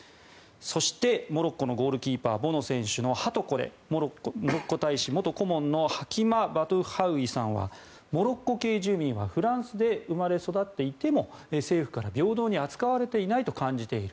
そしてモロッコのゴールキーパーボノ選手のはとこでモロッコ大使元顧問のハキマ・バトハウイさんはモロッコ系住民はフランスで生まれ育っていても政府から平等に扱われていないと感じている。